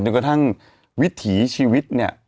จนกระทั่งวิถีชีวิต